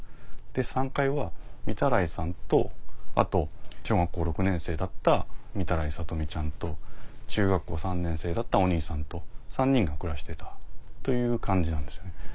３階は御手洗さんとあと小学校６年生だった御手洗怜美ちゃんと中学校３年生だったお兄さんと３人が暮らしてたという感じなんですよね。